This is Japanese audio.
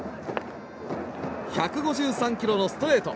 １５３キロのストレート！